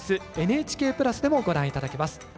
「ＮＨＫプラス」でもご覧頂けます。